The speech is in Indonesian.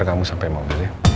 gak usah om